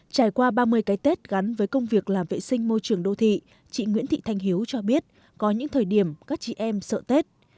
trải qua ba mươi cái tết gắn với công việc làm vệ sinh môi trường đô thị chị nguyễn thị thanh hiếu cho biết có những thời điểm các chị em sợ tết